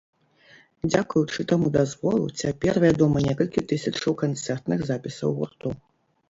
Дзякуючы таму дазволу, цяпер вядома некалькі тысячаў канцэртных запісаў гурту.